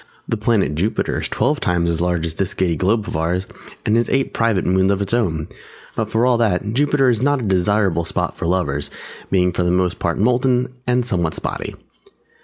The Planet Jupiter is twelve times as large as this Giddy Globe of ours, and has eight private moons of its own, but for all that Jupiter is not a desirable spot for Lovers, being for the most part molten, and somewhat spotty.